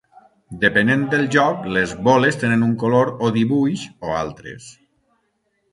Depenent del joc les boles tenen un color o dibuix o altres.